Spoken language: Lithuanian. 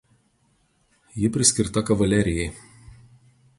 Ji priskirta kavalerijai.